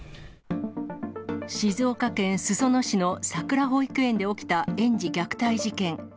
静岡県裾野市のさくら保育園で起きた園児虐待事件。